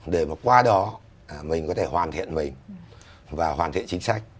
để mà qua đó mình có thể hoàn thiện mình và hoàn thiện chính sách